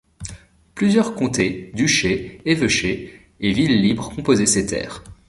Plusieurs comtés, duchés, évêchés et villes libres composaient ces terres.